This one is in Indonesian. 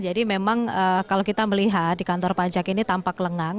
jadi memang kalau kita melihat di kantor pajak ini tampak lengang